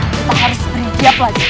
kita harus berhenti